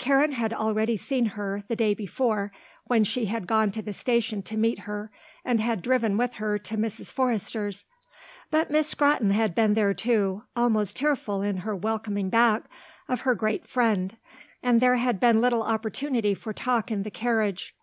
Karen had already seen her, the day before, when she had gone to the station to meet her and had driven with her to Mrs. Forrester's. But Miss Scrotton had been there, too, almost tearful in her welcoming back of her great friend, and there had been little opportunity for talk in the carriage.